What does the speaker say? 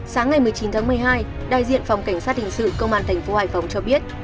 sáng ngày một mươi chín tháng một mươi hai đại diện phòng cảnh sát hình sự công an thành phố hải phòng cho biết